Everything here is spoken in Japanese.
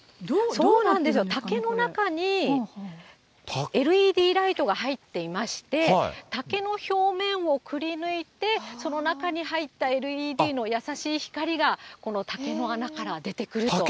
そうなんです、竹の中にＬＥＤライトが入っていまして、竹の表面をくりぬいて、その中に入ったＬＥＤの優しい光が、この竹の穴から出てくると。